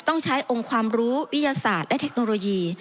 ต้องใช้องค์ความรู้วิทยาศาสตร์และเทคโนโลยี